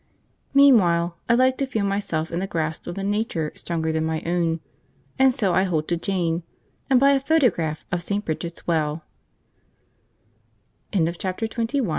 Meanwhile, I like to feel myself in the grasp of a nature stronger than my own, and so I hold to Jane, and buy a photograph of St. Bridget's Well! Chapter XXII. Comfort Cottage.